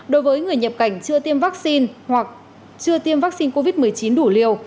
đối với người nhập cảnh chưa tiêm vaccine hoặc chưa tiêm vaccine covid một mươi chín đủ liều